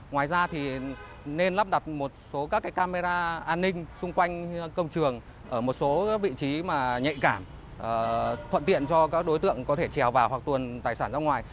ngoài ra thì nên lắp đặt một số các camera an ninh xung quanh công trường ở một số vị trí mà nhạy cảm thuận tiện cho các đối tượng có thể trèo vào hoặc tuần tài sản ra ngoài